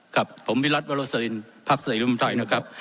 ครับผมวิรัติวรสลินภักดิ์เสียรุ่นไทยนะครับ